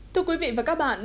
thưa quý vị và các bạn